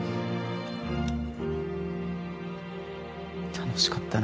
楽しかったな